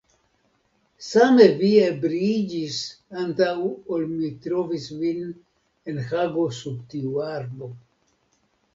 Same vi ebriiĝis antaŭ ol mi trovis vin en Hago sub tiu arbo.